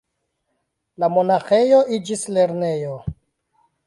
La monaĥejo iĝis lernejo.